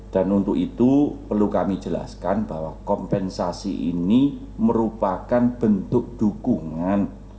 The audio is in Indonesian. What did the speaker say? dan untuk itu perlu kami jelaskan bahwa kompensasi ini merupakan bentuk dukungan